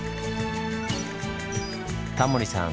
タモリさん